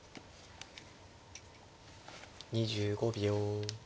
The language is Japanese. ２５秒。